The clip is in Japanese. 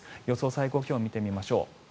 最高気温見てみましょう。